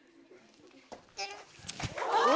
お！